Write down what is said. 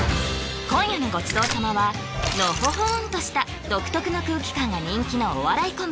今夜のごちそう様はのほほんとした独特の空気感が人気のお笑いコンビ